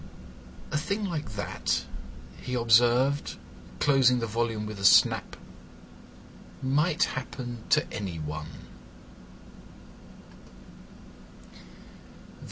"A thing like that," he observed, closing the volume with a snap, "might happen to any one."